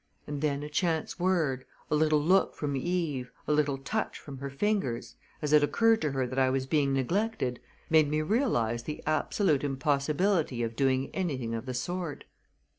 And then a chance word, a little look from Eve, a little touch from her fingers, as it occurred to her that I was being neglected, made me realize the absolute impossibility of doing anything of the sort.